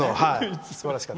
すばらしかった。